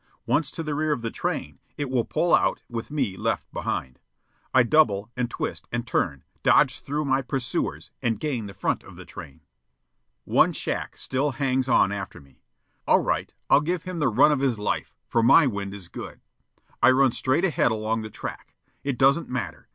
Once to the rear of the train, it will pull out with me left behind. I double, and twist, and turn, dodge through my pursuers, and gain the front of the train. One shack still hangs on after me. All right, I'll give him the run of his life, for my wind is good. I run straight ahead along the track. It doesn't matter.